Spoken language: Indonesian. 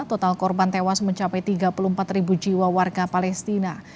total korban tewas mencapai tiga puluh empat ribu jiwa warga palestina